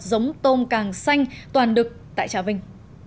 giống tôm càng xanh toàn đực tại trà vinh